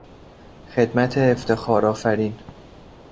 خدمت افتخار آفرین